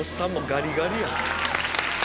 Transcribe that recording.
ガリガリや。